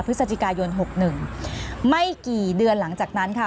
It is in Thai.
พฤศจิกายน๖๑ไม่กี่เดือนหลังจากนั้นค่ะ